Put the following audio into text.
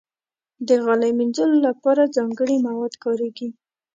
د غالۍ مینځلو لپاره ځانګړي مواد کارېږي.